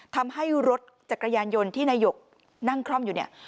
ทำให้รถจักรยานยนต์ที่นายกนั่งคล่อมอยู่เนี่ย